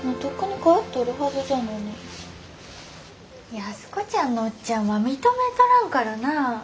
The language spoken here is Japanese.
安子ちゃんのおっちゃんは認めとらんからなあ。